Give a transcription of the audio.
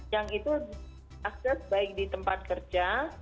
yang itu akses baik di tempat kerja